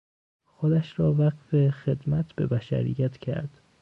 خودش را وقف خدمت به بشریت کرد.